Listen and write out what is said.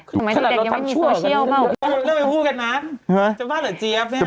สมัยเด็กยังไม่มีโซเชียลเหรอ